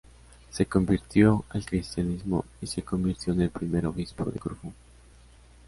Se convirtió al cristianismo y se convirtió en el primer obispo de Corfú.